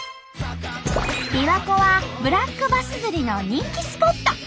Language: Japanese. びわ湖はブラックバス釣りの人気スポット。